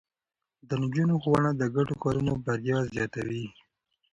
د نجونو ښوونه د ګډو کارونو بريا زياتوي.